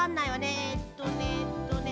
えっとねえっとね